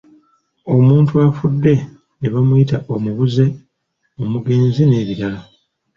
Omuntu afudde ne bamuyita omubuze, omugenzi n'ebirala.